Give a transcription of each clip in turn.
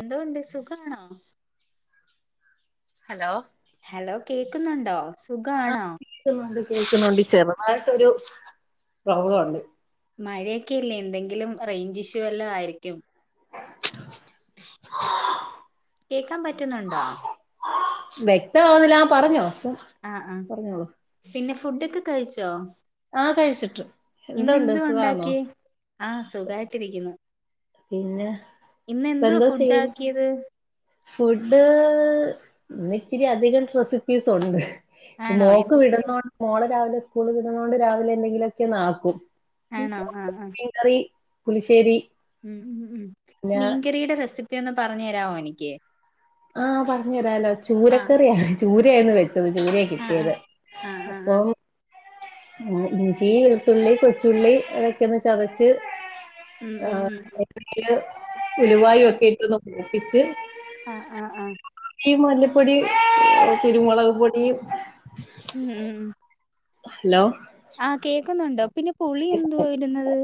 എന്തൊണ്ട് സുഖാണോ? Hello hello കേക്കുന്നുണ്ടോ? ആ സുഖാണോ കേക്കുന്നുണ്ട് കേക്കുന്നുണ്ട്. ചെറുതായിട്ടൊരു പ്രോബ്ലണ്ട്. മഴയൊക്കെല്ലേ എന്തെങ്കിലും റേഞ്ച് ഇഷ്യൂ വല്ലോ ആയിരിക്കും. കേക്കാൻ പറ്റുന്നുണ്ടോ? വ്യക്തമാവുന്നില്ല ആ പറഞ്ഞോ ആഹ് ആഹ് പറഞ്ഞോളൂ പിന്നെ ഫുഡൊക്കെ കഴിച്ചോ? ആഹ് കഴിച്ചിട്ട് ഇന്ന് എന്തുണ്ട് എന്തുവ സുഖാണോ ഉണ്ടാക്കിയേ? ആഹ് സുഖായിട്ടിരിക്കുന്നു. പിന്നെ ഇപ്പ ഇന്നെന്തുവാ എന്തോ ഫുഡ് ചെയ്യുന്നു ആക്കിയത്? ഫുഡ് ഇന്ന് ഇച്ചിരി അധികം റെസിപ്പീസ് ഉണ്ട്. ആണോ മോക്ക് എന്തൊക്കെയാ വിടുന്നോണ്ട് മോളെ രാവിലെ സ്കൂള് വിടുണോണ്ട് രാവിലെ എന്തെങ്കിലുമൊക്കെ ആക്കും. ആണോ? ആ ആ കറി പുളിശ്ശേരി മ് ഉ പിന്നെ മീൻകറിയുടെ റെസിപ്പി ഒന്ന് പറഞ്ഞു തരാവോ എനിക്ക്? ആ പറഞ്ഞു തരാലോ ആഹ് ചൂരക്കറിയ ചൂരയന്ന് വെച്ചത് ചൂര ആഹ് കിട്ടിയത് ആഹ് ആഹ് ആഹ് അപ്പൊ ആഹ് ആ ഇഞ്ചി വെളുത്തുള്ളി കൊച്ചുള്ളി അതൊക്കെയ ഒന്ന് ചതച്ച് ഉം ആ ഉം ഉം എ ഉലുവായും ഒക്കെ ഇട്ടൊന്ന് മൂപ്പിച്ച് ആഹ് ആഹ് ആഹ് ഈ മല്ലപ്പൊടിയ കുരുമുളക് പൊടിയും ഉം ഉം ഹലോ ആഹ കേക്കുന്നുണ്ടോ പിന്നെ പുളി എന്തുവാ ഇടുന്നത്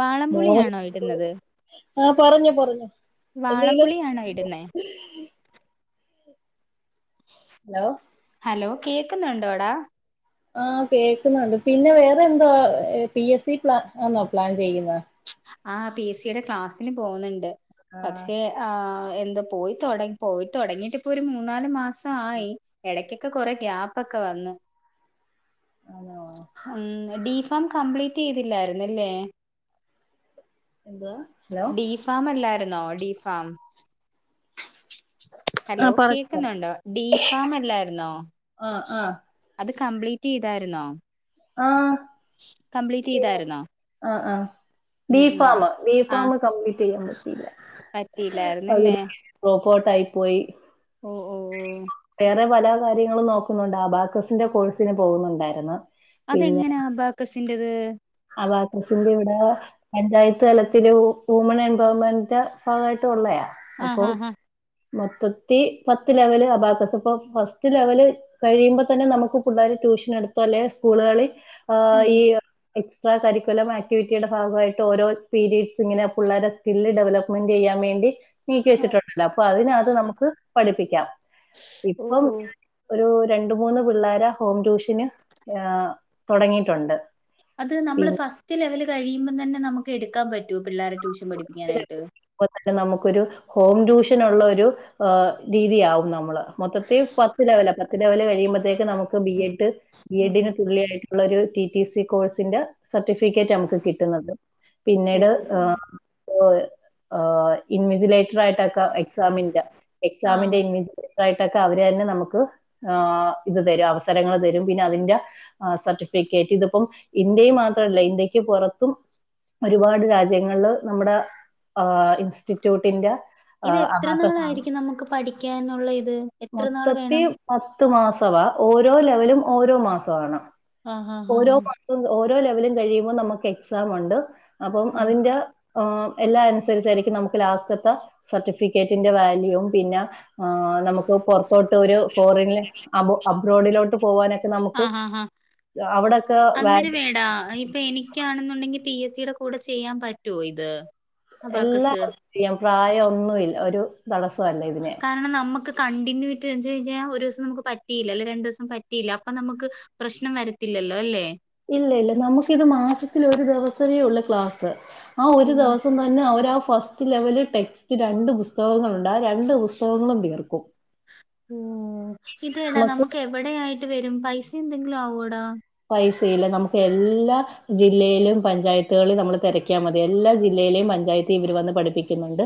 വാളം പുളിയാണോ ഇടുന്നത് ആഹ പറഞ്ഞു പറഞ്ഞു വാളംപുളിയാണോ ഇടുന്ന? [inaudible] ഹലോ ഹലോ കേൾക്കുന്നുണ്ടോടാ ആഹ കേക്കുന്നുണ്ട് പിന്നെ വേറെ എന്തോ പി എസ് സി പ്ലാ ആന്നോ പ്ലാൻ ചെയ്യുന്നത് ആ പി എസ് സിയുടെ ക്ലാസ്സിന് പോകുന്നുണ്ട് ആഹ് പക്ഷെ ആ എന്ത് പോയി പോയിത്തൊടങ്ങിട്ട് ഇപ്പോൊ ഒരു മൂന്നാല് മാസയി. എടക്കൊക്കെ കൊറെ ഗ്യാപ്പ് ക്കെ വന്ന്. ആണോ ഉം ഡി ഫോാം കംപ്ലീറ്റ് ചെയ്തില്ലായിരുന്നല്ലേ എന്ത ഡി ഫാം അല്ലായിരുന്നോ ഡി ഫാം ഹലോ ആഹ് പറഞ്ഞോ കേക്കുന്നുണ്ടോ ഡി ഫാം അല്ലായിരുന്നോ ആഹ് ആഹ് അത് കംപ്ലീറ്റ് ചെയ്തായിരുന്നോ ആഹ കംപ്ലീറ്റ് ചെയ്തായിരുന്നോ? ആ ആ ബി ഉം ഉം ഫാമ് ബി ആ ഫാമ് കംപ്ലീറ്റ് ചെയ്യാൻ പറ്റില്ല. പക പറ്റിയില്ലായിരുന്നല്ലേ റോബോട്ട് ആയി പോയി ഓ ഓ ഓ വേറെ പല കാര്യങ്ങളും നോക്കുന്നുണ്ട് ആബാാക്കസിന്റെ കോഴ്സിന് പോകുന്നുണ്ടായിരുന്നു അതെങ്ങനാ അബാക്കസിൻ്റെത് അത്രസിന്റെ ഇവിടെ പഞ്ചായത്ത് തലത്തില് വുമൺ എൻപവർമെന്ന്റെ ഭാഗമായിട്ട് ഉള്ളയ ആഹ് അപ്പൊ ആഹ് ആഹ് മൊത്തത്തി പത്ത് ലെവല് അബാക്കസ് ഇപ്പ ഫസ്റ്റ് ലെവല് കഴിയുമ്പോ തന്നെ നമുക്ക് പിള്ളാരെ ട്യൂഷൻ എടുത്താല്ലെ സ്കൂളുകളിൽ ആ് ഉം ഈ എക്സ്ട്രാ കരിക്കുലം ആക്ടിവിറ്റിയുടെ ഭാഗമായിട്ട് ഓരോ പീരീഡ്സ് ഇങ്ങനെ പിള്ളേരെ സ്കില്ല് ഡെവലപ്പ് ഫോൺ ചെയ്യാൻ വേണ്ടി നീക്കി വെച്ചിട്ടുണ്ടല്ലോ അപ്പൊ അതിനകത് നമുക്ക് പഠിപ്പിക്കാം ഓ ഇപ്പം ഓ ഒരു രണ്ട മൂന്ന് പിള്ളോര ഹോം ട്യൂഷന് ആ തുടങ്ങിയിട്ടുണ്ട്. അത് നമ്മള് ഫസ്റ്റ് ലെവൽ കഴിയുമ്പോം തന്നെ നമുക്ക് എടുക്കാൻ പറ്റോ പിള്ളേരെ ട്യൂഷൻ പഠിപ്പിക്കാനായിട്ട് അ തന്നെ നമുക്കൊരു ഹോം ട്യൂഷൻ ഉള്ള ഒരു രീതിയാകും നമ്മള് മൊത്തത്തി പത്ത് ലെവല പത്ത് ലെവൽ കഴിയ്പഴത്തേക്കക്ക് നമുക്ക് ബി എഡ് ബി എഡിന് തുള്ളിയായിട്ട് ഉള്ള ഒരു ടി ടി സി കോഴ്സിന്റെ സർട്ടിഫിക്കറ്റ് നമുക്ക് കിട്ടുന്നത് ഓ പിന്നീട് ആ ആ ഇൻവിസിലേറ്റർ ആയിട്ടൊക്ക എക്സാമിന്റെ ആഹ് എക്സാമിന്റെ ഇന് ഇതായിട്ടൊക്കെ അവര് തന്നെ നമുക്ക് ആ ഇത് തരും അവസരങ്ങൾ തരും പിന്നെ അതിന്റെ ആ സർട്ടിഫിക്കറ്റ് ഇതിപ്പം ഇന്ത്യയിൽ മാത്രല്ല ഇന്ത്യക്ക് പുറത്തും ഒരുപാട് രാജ്യങ്ങളില് നമ്മുടെ ഏ ഇൻ ഇൻസ്റ്റിറ്റ്യൂട്ടിന്റെ ഇത് ആഹ് എത്ര അഹാത്തസാണ് നാളായിരിക്കും നമുക്ക് പഠിക്കാനുള്ള ഇത് എത്ര നാള് മൊത്തത്തി വേണം പത്ത് മാസവാ ഓരോ ലെവലും ഓരോ മാസമാണ് ആഹ് ആഹ് ഓരോ ആഹ് മാസം ഓരോ ലെവലും കഴിയുമ്പോൾ നമുക്ക് എക്സാം ഉണ്ട് അപ്പം അതിന്റെ ആഹ് എല്ലാം അനുസരിച്ചായിരിക്കും നമുക്ക് ലാസ്റ്റത്തെ സർട്ടിഫിക്കറ്റിന്റെ വാല്യൂവും പിന്ന ആഹ് നമുക്ക് ഇപ്പ പൊറത്തോട്ട് ഒരു ഫോറിൻൽ ആമ്പൊ അബ്രോഡിലോട്ട് പോവാനൊക്കെ നമുക്ക് ആഹ് അവിടക്ക വ എടാ ഇപ്പൊ എനി ആണെന്നുണ്ടെങ്കിൽ പി എസ് സിയുടെ കൂടെ ചെയ്യാൻ പറ്റുവോ ഇത് അബാക്കസ് എല്ലാവർക്കും ചെയ്യാം പ്രായം ഒന്നുല്ല ഒരു തടസ്സം അല്ലേ കാരണം നമ്മുക്ക് കണ്ടിന്യൂ ഇട്ട്ച്ച് കഴിഞ്ഞാൽ ഒരു ദിവസം നമുക്ക് പറ്റയില്ല അല്ലെങ്കി രണ്ട് ദിവസം പറ്റില്ല അപ്പൊ നമുക്ക് പ്രശ്നം വരത്തില്ലല്ലോ അല്ലേ ഇല്ല ഇല്ല നമുക്കിത് മാസത്തി ഒരു ദിവസമേ ഉള്ള ക്ലാസ് ആഹ് ഒരു ഓഹ് ദിവസം തന്നെ അവരാ ഫസ്റ്റ് ലെവല് ടെക്സ്റ്റ് രണ്ട് പുസ്തകങ്ങളുണ്ട് രണ്ട് പുസ്തകങ്ങളും തീർക്കും ഓ ഇതടാ നമുക്ക് എവിടെ ആയിട്ട് വരും പൈസ എന്തെങ്കിലും ആവോ അടാ പൈസയില്ല നമുക്ക് എല്ലാ ജില്ലയിലും പഞ്ചായത്തുകളിൽ നമ്മള് തിരക്കാൽ മതി എല്ലാ ജില്ലയിലേം പഞ്ചായത്ത് ഇവർ വന്ന് പഠിപ്പിക്കുന്നുണ്ട്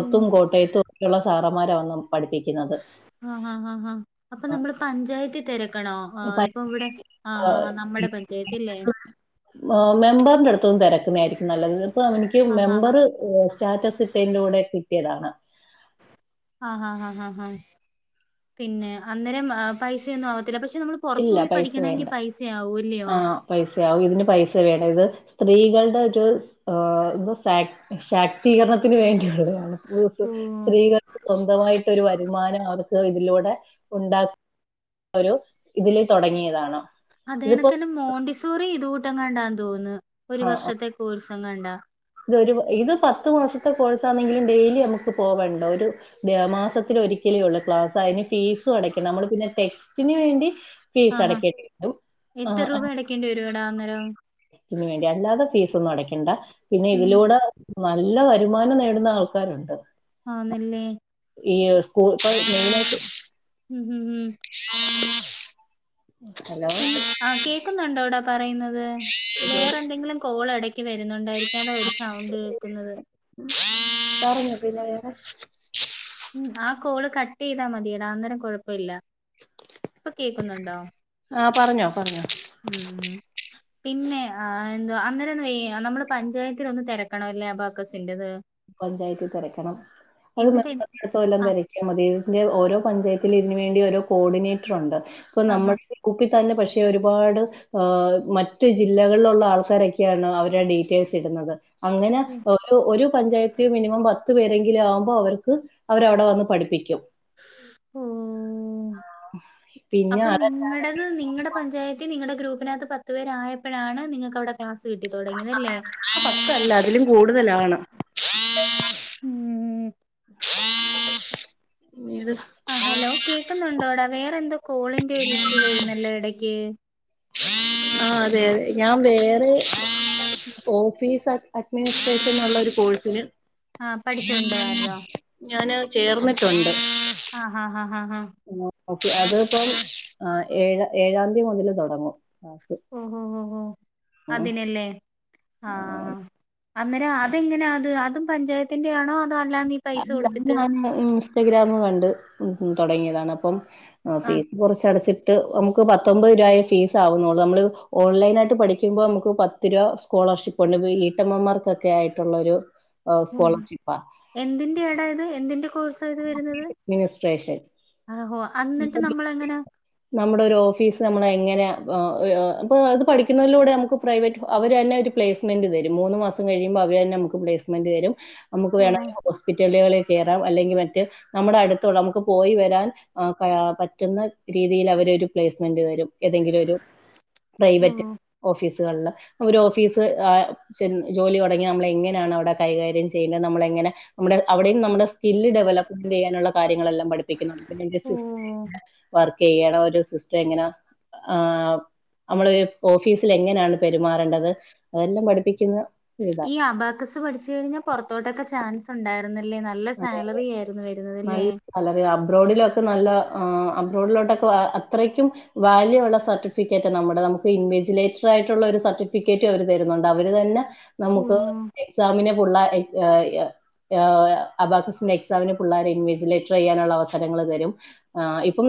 ഓ കോട്ടയത്തും ഒക്കെയുള്ള സാറന്മാരെ വന്ന് പഠിപ്പിക്ക ആഹ് ആഹ് ആഹ് അപ്പൊ നമ്മള് പഞ്ചായത്തി തിരക്കണോ ആഹ് ഇപ്പൊ ഇവിടെ ആഹ് ആഹ് നമ്മുടെ പഞ്ചായത്തില്ലേ ഓം മെമ്പറിന്റെ അടുത്തൊന്നും തിരക്കുന്ന ആയിരിക്കും നല്ലത് ഇപ്പ എനിക്ക് ആ ആ മെമ്പർ സ്റ്റാറ്റസ് ഇട്ടേന്റെ കൂടെ കിട്ടിയതാണ് ആഹ് ആഹ് ആഹ് ആഹ് പിന്നെ അന്നേരം പൈസയൊന്നും ആവത്തില്ല പക്ഷെ നമ്മൾ പുറത്തു ഇല്ല പോയി പൈസ വേണ്ട പഠിക്കണമെങ്കിൽ പൈസയാവൂല്ലയോ ആഹ് പൈസയാവും ഇതിന് പൈസ വേണം ഇത് സ്ത്രീകളുടെ ഒരു [unintelligible] സ്തീകരണത്തിന് വേണ്ടിയുള്ളതയാണ് ഓ സ്ത്രീകൾക്ക് സ്വന്തമായിട്ട് ഒരു വരുമാനം അവർ ഇത് ഇതിലൂടെ ഉണ്ടാക്ക ഒരു ഇതിൽ തുടങ്ങിയതാണ് ഇതിപ്പോ അതേനക്കണ് തന്നെ മോണ്ടിസോറി ഇത് കൂട്ടം കണ്ടാന്ന് തോന്നുന്നു ഒരു ആഹ് ആഹ് വർഷത്തെ കോഴസം കണ്ടാ ഇതൊരു ഇത് പത്ത് മാസത്തെ കോഴ്സ് ആണെങ്കിലും ഡെയിലി നമുക്ക് പോവണ്ടോ ഒരു മാസത്തില ഒരിക്കലേള്ളൂ ക്ലാസ് അതിന് ഫീസും അടക്കണം നമ്മള് പിന്നെ ടെക്സ്റ്റിന് വേണ്ടി ഫീസ് അടക്കിയിട്ടും ക്കിൻ്റ് വരുടാ അന്നേരം ന് വേണ്ടി അല്ലാതെ ഫീസൊന്നും അടയ്ക്കണ്ട പിന്നെ ഉം ഇതിലൂടെ നല്ല വരുമാനം നേടുന്ന ആൾക്കാരുണ്ട് ആഹ് നല്ലേ ഈ സ്കൂ മെയിനായിട്ട് ഉം ഹം ഉം [unintelligible] ഹലോ പി ആഹ് കേക്കുന്നുണ്ടോടാ പറയുന്നത് വേറെ എന്തെങ്കിലും കോൾ എട വരുന്നുണ്ടായിരിക്കല്ലോ ഒരു സൗണ്ട് കേൾക്കുന്നത് [unintelligible] ആഹ് കോള് കട്ട് ചെയ്താ മതിയടാ അന്നേരം കുഴപ്പമില്ല ഇപ്പൊ കേൾക്കുന്നുണ്ടോ ആഹ് പറഞ്ഞോ പറഞ്ഞോ ഉം പിന്നെ ആഹ് എന്തോ അന്നേരം ഒന്ന് വ നമ്മള് പഞ്ചായത്തിൽ ഒന്ന് തിരക്കണ ലാബാക്കസിറൻ്റത് പഞ്ചായത്തിൽ തിരക്കണം അത് എന്നിട്ട് എൻ- തോലം ആ തെരക്കിയ മതി ഇത് ഓരോ പഞ്ചായത്തിൽ ഇതിന് വേണ്ടി ഓരോ കോർഡിനേറ്റർ ഉണ്ട് ഇപ്പൊ ആ ആ നമ്മൾ കുപ്പി തന്നെ പക്ഷെ ഒരുപാട് ആഹ് മറ്റു ജില്ലകളിലുള്ള ആൾക്കാരൊക്കെയാണ് അവരുടെ ഡീറ്റെയിൽസ് ഇടുന്നത് അങ്ങനെ ഒരു പഞ്ചായത്തി മിനിമം പത്ത പത്ത് പേരെങ്കിലും ആകുമ്പോ അവർക്ക് അവരവിടെ വന്ന് പഠിപ്പിക്കും ഓ പിന്നെ അപ്പൊ അതല്ലാതെ നിങ്ങളടെ ഹ് നിങ്ങളടെ പഞ്ചായത്തി നിങ്ങളടെ ഗ്രൂപ്പിനകത്ത് പത്ത് പേരാഴപ്പളാണ് നിങ്ങക്ക് അവിടെ ക്ലാസ് കിട്ടി തുടങ്ങിയതല്ലേ. പത്തല്ല അതിലും കൂടുതലാണ് ഉം പിന്നീട് ആ ഹലോ കേൾക്കുന്നുണ്ടോടാ വേറെ എന്തോ കോളിന്റെ ഒരു ഇഷ്യൂ വരുന്നല്ലോ എടക്ക്. [unintelligible] ആ അതെ അതെ ഞാൻ വേറെ ഓഫീസ് അഡ്മിനിസ്ട്രേഷൻ ഉള്ള ഒരു കോഴ്സിന് ആഹ പഠിച്ചോണ്ടരാതോ ഞാന് ചേർന്നിട്ടുണ്ട് ആഹ് ഹ് ഹ് ഹ് ഹാ ഓക്കെ അതിപ്പം ആ ഏഴ ഏഴാന്തി മുതിൽ തുടങ്ങും ക്ലാസ്. ഓഹോ ഓ ഹോ അതിനല്ലേ ആ ആഹ് അന്നേരം അതെങ്ങനെ അത് അതും പഞ്ചായത്തിന്റെ ആണോ നാലാന്ദി നീ പൈസ അല്ല കൊടുത്തിട്ട് ഞാൻ ഇൻസ്റ്റഗ്രാം കണ്ട് തുടങ്ങിയതാണ് അപ്പം ആഹ് ഫീ കുറച്ചടച്ചിട്ട് നമുക്ക് പത്തൊമ്പത് രൂപയാ ഫീസ് ആവുന്നുള്ളൂ നമ്മള് ഓൺലൈൻ ആയിട്ട് പഠിക്കുമ്പോൾ നമുക്ക് തിരുവ സ്കോളർഷിപ്പ് ഒണ്ട് വീട്ടമ്മമാർക്കൊക്കെ ആയിട്ടുള്ളൊരു സ്കോളർഷിപ്പാ. എന്തിന്റാടാ ഇത് എന്തിന്റെ കോഴ്സത് വരുന്നത് മിനിസ്ട്രേഷൻ ആഹോ അന്നിട്ട് നമ്മളങ്ങനാ നമ്മുടെ ഒരു ഓഫീസ് നമ്മളങ്ങനെ ആഹ് ഹ് ഇപ്പൊ അത് പഠിക്കുന്നതിലൂടെ നമുക്ക് പ്രൈവറ്റ് അവര്ന്ന ഒരു പ്ലസ്‌മെന്റ് തരും മൂന്നു മാസം കഴിയുമ്പോ അവര്ന്നെ നമുക്ക് പ്ലസ്‌മെന്റ് തരും. നമുക്ക് ഓഹ് വേണമെങ്കിൽ ഹോസ്പിറ്റലുകളിൽ കേറാം അല്ലെങ്കിൽ മറ്റ നമ്മുടെ അടുത്തുള്ള നമുക്ക് പോയി വരാൻ ആ ക്കാ പറ്റുന്ന രീതിയിൽ അവരൊരു പ്ലേസ്മെന്റ് തരും. ഏതെങ്കിലും ഒരു പ്രൈവറ്റ് ഓഹ് ഓഫീസുകളില് ഒരു ഓഫീസ് ആഹ് ചെ ജോലി തൊടങ്ങിയാ നമ്മൾ എങ്ങനെയാണ് അവിടെ കൈകാര്യം ചെയ്യേണ്ടത് നമ്മളങ്ങനെ മ്മട് അവിടെയും നമ്മുടെ സ്‌കില്ല് ഡെവലപ് ചെയ്യാനുള്ള കാര്യങ്ങളെല്ലാം പഠിപ്പിക്കുന്നുണ്ട് പിന്നെ ജസ്സ് ഓഹ് വറ് ചെയ്യണരു സിസ്റ്റങ്ങനാ ആഹ് നമ്മള് ഓഫീസിൽ എങ്ങനെയാണ് പെരുമാറേണ്ടത് അതെല്ലാം പഠിപ്പിക്കുന്ന ഇതാ ഈ ആബാക്കസ് പഠിച്ചു കഴിഞ്ഞാ പുറത്തോട്ടൊക്കെ ചാൻസ് ഒണ്ടാ രുന്നല്ലേ നല്ല സാലറി ആയിരുന്നു വരുന്നതല്ലേ വളരെ അബ്രോഡിലൊക്കെ നല്ല ആഹ് അബ്രോഡിലോട്ടൊക്കെ അത്രക്കും വാല്യുള്ള സർട്ടിഫിക്കറ്റാ നമ്മുടെ നമുക്ക് ഇൻവെജിലേറ്റർ ആയിട്ടുള്ള ഒരു സർട്ടി ടിക്കറ്റ് അവരു തരുന്നുണ്ട് അവര് തന്നെ നമുക്ക് ഓഹ് എക്സാമിന് ഫുള്ളാ യാ യ് യാ അബാക്കസിന്റെ എക്സാമന് പിള്ളേരെ ഇൻവെജിലേറ്റർ ചെയ്യാനുള്ള അവസരങ്ങൾ തരും. ആ ഇപ്പം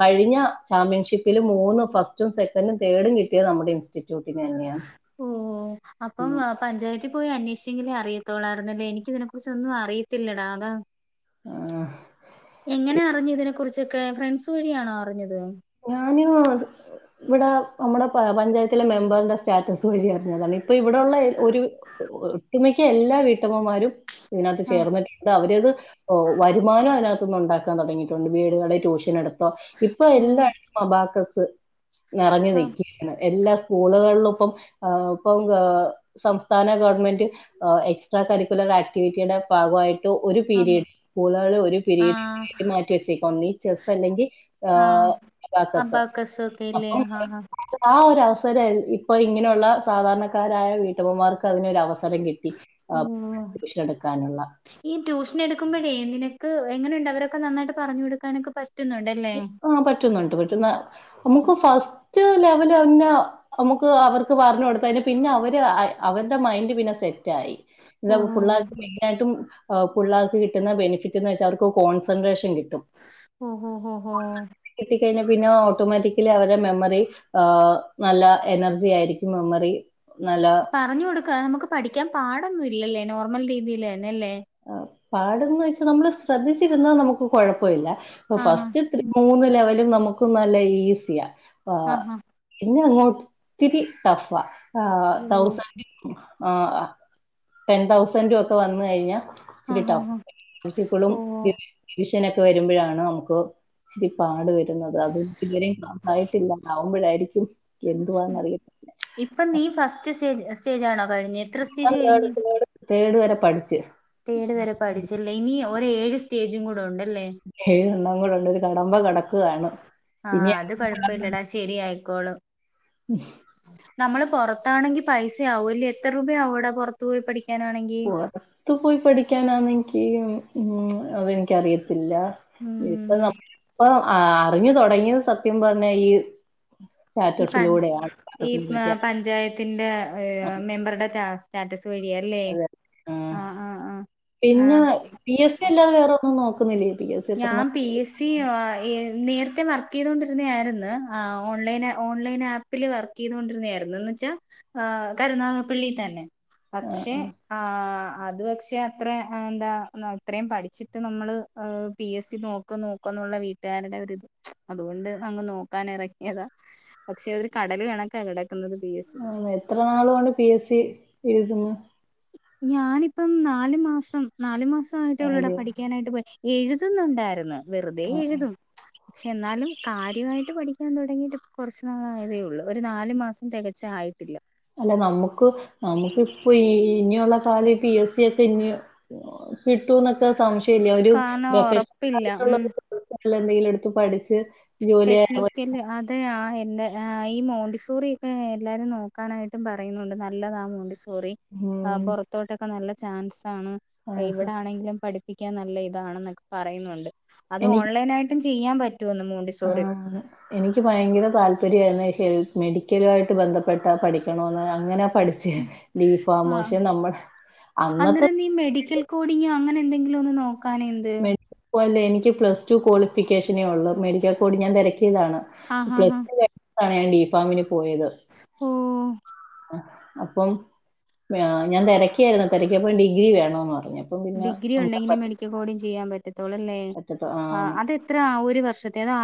കഴിഞ്ഞ ചാമ്പ്യൻഷിപ്പില് മൂന്നും ഫസ്റ്റും സെക്കൻഡും തേഡും കിട്ടിയത് നമ്മുടെ ഇൻസ്റ്റിറ്റ്യൂ ചൂട്ടിനാ ഓ അപ്പം വാ പഞ്ചായത്തിൽ പോയി അന്വേഷിച്ചെങ്കിലെ അറിയത്തോളായിരുന്നല്ലേ എനിക്കിതിനെ കുറിച്ചൊന്നും അറിയത്തില്ലടാ അതാ ആഹ് എങ്ങനെ അറിഞ്ഞതിനെകുറിച്ചൊക്കെ ഫ്രണ്ട്സ് വഴിയാണോ അറിഞ്ഞത് ഞാനോത് ഇവടെ നമ്മുടെ പഞ്ചായത്തിലെ മെമ്പറിന്റെ സ്റ്റാറ്റസ് വഴി അറിഞ്ഞതാണ് ഇപ്പൊ ഇവിടെള്ള ഒരു ഒട്ടുമിക്ക എല്ലാ വീട്ടമ്മമാരും ഇതിനകത്ത് ആ ചേർന്നിട്ടുണ്ട് അവരത് വരുമാനം അതിനകത്തൊന്ന് ഉണ്ടാക്കി ൻ തുടങ്ങിട്ടുണ്ട് വീടുകളെ ട്യൂഷൻ എടുത്തോ ഇപ്പൊ ഓ എല്ലാ അബാക്കസ് ഇറങ്ങി ആ നിക്ക എല്ലാ സ്കൂളുകളിലും ഇപ്പം ഇപ്പം സംസ്ഥാന ഗവൺമെന്റ് എക്സ്ട്രാ കരിക്കുലർ ആക്ടിവിറ്റിയുടെ ഭാഗമായിട്ട് ട്ടോ ഒരു അബ പീരീഡ് സ്കൂളാണ് ഒരു ആ പീരീഡ് തിയതി മാറ്റി വെച്ചേക്ക ഒന്നേ ചെസ് അല്ലെങ്കി ആ അബാകസ് ഒക്കെല്ലേ ഹ ഹാ ആ ഒരു അവസരം ഇപ്പൊ ഇങ്ങനെള്ള സാധാരണക്കാരായ വീട്ടമ്മമാർക്ക് അതിനൊര അവസരം കി ഉം ഈ ട്യൂഷൻ എടുക്കുമ്പോഴേ നിനക്ക് എങ്ങനെണ്ട് അവരൊക്കെ നന്നായിട്ട് പറഞ്ഞു കൊടുക്കാനൊക്കെ പറ്റ്ന്നുണ്ടോ ആഹ് പറ്റുന്നുണ്ട് പറ്റുന്ന നമക്ക് ഫസ്റ്റ് ലെവൽന്ന നമക്ക് അവർ പറഞ്ഞു കൊടുത്ത പിന്നെ അവര് അവര്ടെ മൈൻഡ് പിന്നെ സെ റ്റായി ഓ ഓ ഓ പിള്ളേർക്ക് മെയ്നായിട്ടും പിള്ളേർക്ക് കിട്ടുന്ന ബെനിഫിറ്റ് എന്ന് വെച്ച അവർക്ക് കോൺസൻട്രേഷൻ കിട്ടും ഒ ഓ ഹോ കിട്ട കഴിഞ്ഞ പിന്നെ ഓട്ടോമാറ്റിക്കലി അവരെ മെമ്മറി ആഹ് നല്ല എനർജി ആയിരിക്കും മെമ്മറി നല്ല പറഞ്ഞു കൊടുക്കാ നമക്ക് പഠിക്കാൻ പാടൊന്നും ഇല്ലല്ലേ നോർമൽ രീതിയിൽന്ന അല്ലേ പാടന്ന് വെച്ചാ നമ്മള് ശ്രദ്ധിച്ചിരുന്ന നമുക്ക് കുഴപ്പഇല്ല ആ ആ ഫസ്റ്റ് മൂന്ന് ലെവലും നമക്ക നല്ല ഈസിയാ പാ ആ ആ പിന്നെ അങ്ങോ ഒത്തിരി ടഫാ ഓ തൗസ ആ ടെൻ തൗസന്റും ഒക്കെ വന്ന് കഴിഞ്ഞാ ആ ഇച്ചരിട്ട ആ ആ എനക്കിപ്പളും ഓ വിഷനോക്കെ വരുമ്പോഴാണ് നമുക്ക് ഇച്ചരി പാട് വ അത് ഇവരും സഹായിട്ടില്ല ആവുമ്പോഴായിരിക്കും എന്തുവാന്ന് അറിയ ഇപ്പം നീ ഫസ്റ്റ് സ്റ്റേ സ്റ്റേജ് ആണോ കഴിഞ്ഞ [unintelligible] തേടു വരെ പഠിച്ച് തേട് വരെ പഠിച്ചല്ലേ ഇനി ഒരേഏഴ് സ്റ്റേജും കൂടെ ഉണ്ടല്ലേ ഏഴെണ്ണം കൂടെണ്ട് ഒരു കടമ്പ കടക്കാണ് ഇനി ശരിയയിക്കോളും ഉം നമ്മള് പുറത്താണെങ്കി പൈസ ആവും ല്ലേ എത്ര രൂപയാവും എടാ പുറത്തു പോയി പഠിക്കാനാണെങ്കി പുറത്തു പോയി പഠിക്കാനാന്നെനിക്ക് ഉ അതെനിക്കറിയത്തില്ല ഉം ഇപ്പ ഇപ്പ അറിഞ്ഞു തുടങ്ങിയ സത്യം പറഞ്ഞെ ഈ ഈ പ സ്റ്റാറ്റസിലൂടെയാണ്. ഈ പത്രത്തിനെ പറ്റി പഞ്ചായത്തിന്റെ ഈ മെമ്പറുടെ സ്റ്റാറ്റസ് വഴിയായി അല്ലേ ആഹ് ആഹ് പിന്നെ ആഹ് പി എസ് സി എല്ലാം വേറെൊന്നും നോക്കുന്നില്ലേ പി എസ് സി ഞാ എത്ര നാ പി എസ് സി നേരത്തെ വർക്ക് ചെയ്തൊണ്ടിരുന്ന ആയിരുന്നു ഓൺലൈ ഓൺലൈൻ ആപ്പ് പ്പില് വർക്ക് ചെയ്ത കൊണ്ടിരുന്നായിരുന്നുന്ന് വെച്ചാ ആ കരുനാഗപ്പള്ളി തന്നെ ആഹ് പക്ഷെ ആഹ്. ആ അത്പക്ഷെ അത്ര എന്താ ഇത്രയും പഠിച്ചിട്ട് നമ്മള് പി എസ് സി നോക്ക് നോക്കന്നുള്ള വീട്ടുകാരുടെ ഒത് അതുകൊണ്ട് അങ്ങ് നോക്കാൻ ഇറങ്ങിയതാ പക്ഷെ ഒര് കടൽ കണക്കാ കിടക്ക്ന്നത് പി എസ് സി എത്ര നാളുകണ്ട് പി എസ് സി എഴുതുന്നു ഞാനിപ്പം നാല് മാസം നാല് മാസയിട്ട് ഉള്ളട എഴുതിയോ? പഠിക്കാനായിട്ട് എഴുതുന്നുണ്ടായിരുന്നു വെറുതെ ആഹ് എഴുതും പക്ഷെ എന്നാലും കാര്യമായിട്ട് എന്നാലും കാര്യായിട്ട് പഠിക്കാൻ തുടങ്ങിയിട്ട് കുറച്ച് നാള ആയതേ ഉള്ളൂ ഒരു നാല് മാസം തികച്ചായി ട്ടില്ല അല്ല നമുക്ക് നമുക്ക് ഇപ്പോ ഇനിയുള്ള താലി പി എസ് സി ഒക്കെ ഇഞ്ഞ് കിട്ടൂ എന്നൊക്കെ സംശയ പിന്നെ ഒരു കാരണം പ്രൊഫഷണൽ ഉറപ്പില്ല ആയിട്ടുള്ള ഉം നല്ല എന്തെങ്കിലും എടുത്ത് പഠിച്ച് ജോലിയായ മതി. ടെക്നിക്കൽ അ തെ ആഹ് എന്ത് ഈ മോണ്ടി സോറിയൊക്കെ എല്ലാവരും നോക്കാനായിട്ട് പറയുന്നുണ്ട് നല്ലതാ മോണ്ടി സോറി. ആ ഉം പുൊറത്തോട്ടൊക്കെ നല്ല ചാൻസാണ് ആ, സ- ഇവിടൊണെങ്കിലും പഠി പഠിക്കാൻ നല്ല ഇതാണൊക്കെ പറയുന്നുണ്ട് അത് എനിക്ക് ഓൺലൈണായിട്ടും ചെയ്യാൻ പറ്റൊന്ന് മോണ് ആഹ് എനിക്ക് ഭയങ്കര താല്പര്യമായിരുന്നു ഹെൽപ്പി ഒരിക്കലായിട്ട് ബന്ധപ്പെട്ട പഠിക്കണമ എന്ന് അങ്ങനെ പഠി ചെ ബീഫാ പക [inaudible] ശെ നമ്മൾ അന്നത്തെ ഈ മെഡിക്കൽ കോഡിഗ് അങ്ങനെ എന്തെങ്കിലും ഒന്ന് നോക്കാനെന്ത്? പോ ഇല്ലെ പ്ലസ് റ്റു ക്വാളിഫിക്കേഷനേ ഉള്ളൂ മെഡിക്കൽ കോഡ് ഞാൻ തിരക്കിയതാണ് ആഹാ ഹാ പ്ലസ് റ്റു കഴിഞ്ഞ അതാണ് ഞാൻ ഡി ഫാമിന് പോയത്. സ്തു ഉം അപ്പം ഞാൻ ഞാൻ തെരക്കായിരുന്നു തിരക്കിയപ്പോ ഡിഗ്രി വേണന്ന് പറഞ്ഞു. അപ്പം പിന്നെ ഡിഗ്രി നമുക്ക് ഉണ്ടെങ്കിലെ പറ്റ മെഡിക്കൽ കോഡിങ്ചെയ്യാൻ പറ്റത്തു ല്ലെ പറ്റത്തു ആ ആന്ന് അതെ അത്ര ആഹ് ഒരു വർഷത്ത അ